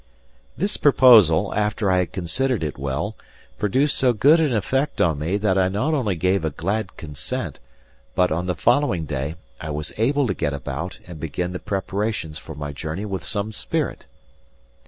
This proposal, after I had considered it well, produced so good an effect on me that I not only gave a glad consent, but, on the following day, I was able to get about and begin the preparations for my journey with some spirit.